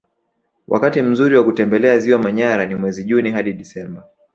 Wakati mzuri wa kutembelea ziwa manyara ni mwezi juni hadi disemba